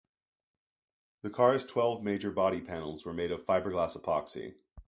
The car's twelve major body panels were made of fibreglass-epoxy.